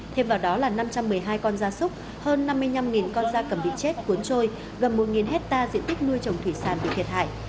thêm vào đó là năm trăm một mươi hai con da súc hơn năm mươi năm con da cầm bị chết cuốn trôi gần một hectare diện tích nuôi trồng thủy sản bị thiệt hại